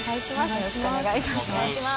よろしくお願いします。